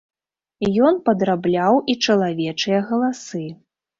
Ён падрабляў і чалавечыя галасы.